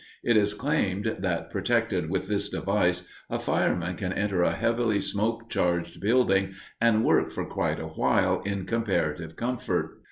It is claimed that, protected with this device, a fireman can enter a heavily smoke charged building and work for quite a while in comparative comfort.